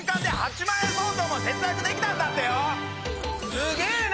すげぇな！